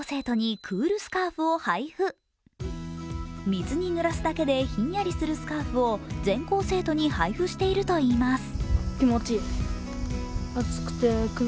水にぬらすだけでひんやりするスカーフを全校生徒に配布しているといいます。